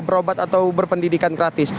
berobat atau berpendidikan gratis